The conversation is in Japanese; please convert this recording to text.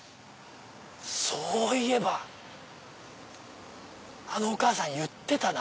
そういえばあのお母さん言ってたな。